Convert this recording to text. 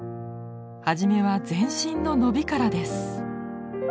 初めは全身の伸びからです。